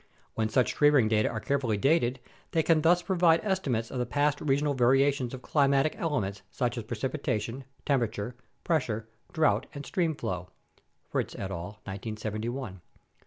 When such tree ring data are carefully dated they can APPENDIX A 139 thus provide estimates of the past regional variations of climatic elements such as precipitation, temperature, pressure, drought, and stream flow (Fritts et al, 1971).